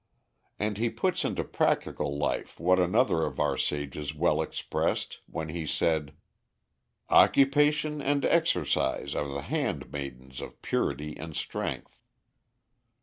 And he puts into practical life what another of our sages well expressed when he said: "Occupation and exercise are the hand maidens of purity and strength."